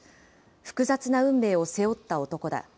複雑な運命を背負った男だ。